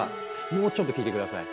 もうちょっと聞いて下さい。